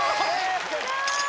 すごーい！